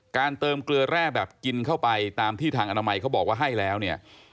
เติมเกลือแร่แบบกินเข้าไปตามที่ทางอนามัยเขาบอกว่าให้แล้วเนี่ย